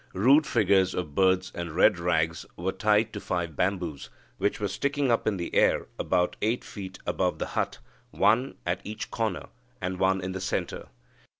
Rude figures of birds and red rags were tied to five bamboos, which were sticking up in the air about eight feet above the hut, one at each corner, and one in the centre.